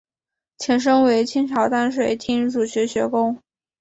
前身为清朝淡水厅儒学学宫。